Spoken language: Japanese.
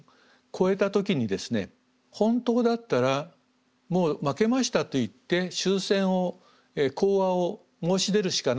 本当だったらもう負けましたといって終戦を講和を申し出るしかないんです。